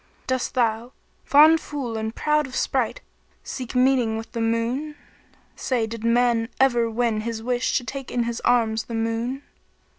Dost thou, fond fool and proud of sprite, seek meeting with the Moon? * Say, did man ever win his wish to take in arms the Moon?